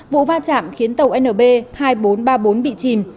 vụ va chạm khiến tàu nb hai nghìn bốn trăm ba mươi bốn bị chìm